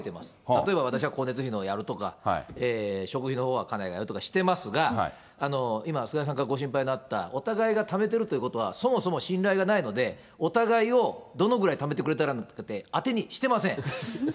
例えば私は光熱費のをやるとか、食費のほうは家内がやるとかしてますが、今、菅井さんがご心配のあった、お互いがためてるということは、そもそも信頼がないので、お互いをどのくらいためてくれてるのかなんてあてにしてません。